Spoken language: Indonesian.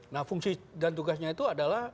nah fungsi dan tugasnya itu adalah